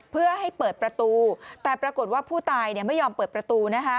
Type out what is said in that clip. เพื่อให้เปิดประตูแต่ปรากฏว่าผู้ตายไม่ยอมเปิดประตู